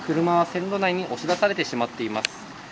車は線路内に押し出されてしまっています。